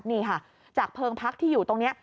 นี่ค่ะจากเพลิงพักที่อยู่ตรงนี้